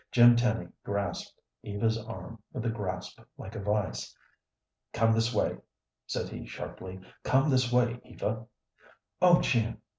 Jim Tenny grasped Eva's arm with a grasp like a vise. "Come this way," said he, sharply. "Come this way, Eva." "Oh, Jim!